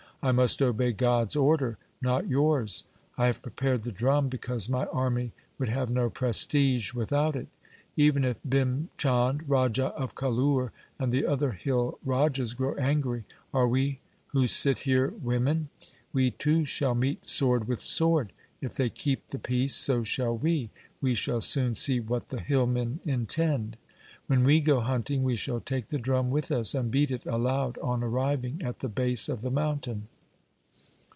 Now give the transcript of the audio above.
I must obey God's order, not yours. I have prepared the drum because my army would have no prestige without it. Even if Bhim Chand, Raja of Kahlur, and the other hill rajas grow angry, are we who sit here women ? We too shall meet sword with sword. If they keep the peace, so shall we. We shall soon see what the hillmen intend. When we go hunting, we shall take the drum with us, and beat it aloud on arriving at the base of the mountain.'